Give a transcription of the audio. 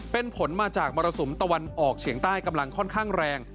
เป็นผลมาจากมรสุมตะวันออกเฉียงใต้กำลังค่อนข้างแรง